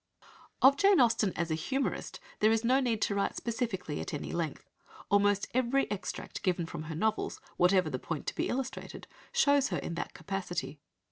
Of Jane Austen as humourist there is no need to write specifically at any length. Almost every extract given from her novels, whatever the point to be illustrated, shows her in that capacity.